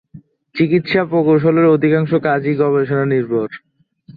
চিকিৎসা প্রকৌশলের অধিকাংশ কাজ ই গবেষণা নির্ভর।